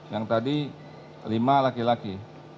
yang tadi lima laki laki